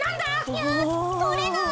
いやんとれない。